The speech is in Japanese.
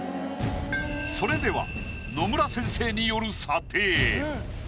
それでは野村先生による。